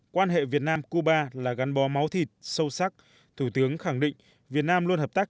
quan hệ việt nam cuba là gắn bó máu thịt sâu sắc thủ tướng khẳng định việt nam luôn hợp tác